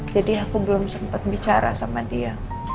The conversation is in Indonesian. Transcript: jadi aku belum sempet bicara sama dia